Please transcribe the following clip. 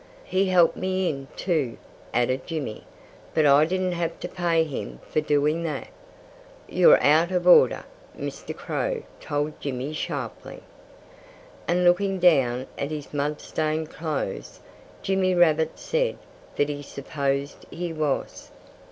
"He helped me in, too," added Jimmy. "But I didn't have to pay him for doing that." "You're out of order!" Mr. Crow told Jimmy sharply. And looking down at his mud stained clothes, Jimmy Rabbit said that he supposed he was.